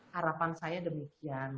harapan saya demikian